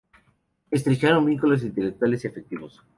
Estrecharon vínculos intelectuales y afectivos.